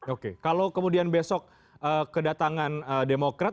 oke kalau kemudian besok kedatangan demokrat